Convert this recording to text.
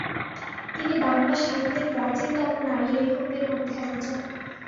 তিনি বাংলা সাহিত্যের প্রাচীনতম নারী লেখকদের মধ্যে একজন।